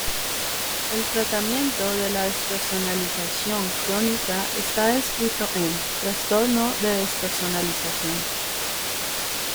El tratamiento de la despersonalización crónica está descrito en: trastorno de despersonalización.